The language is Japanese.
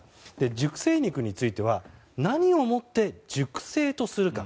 熟成肉については何をもって熟成とするか。